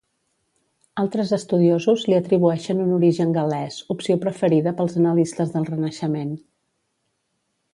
Altres estudiosos li atribueixen un origen gal·lès, opció preferida pels analistes del renaixement.